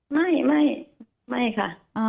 ไม่ไม่ค่ะ